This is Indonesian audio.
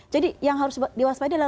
jadi yang harus diwaspadi adalah